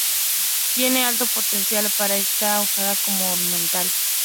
Tiene alto potencial para ser usada como ornamental.